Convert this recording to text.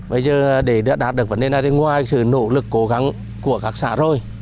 bây giờ để đạt được vấn đề này thì ngoài sự nỗ lực cố gắng của các xã rồi